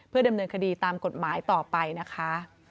ดำเนินคดีตามกฎหมายต่อไปนะคะ